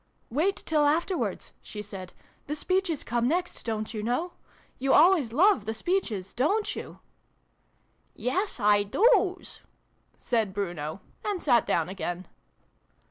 " Wait till afterwards," she said. " The speeches come next, don't you know ? You always love the speeches, dorit you ?"" Yes, I doos," said Bruno : and sat down again.